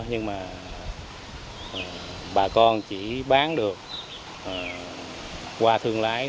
nhưng mà bà con chỉ bán được qua thương lái